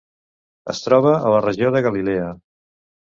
Es troba a la regió de Galilea.